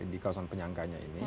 di kawasan penyangganya ini